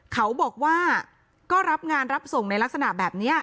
เขาบอกว่าก็รับงานรับส่งในลักษณะแบบนี้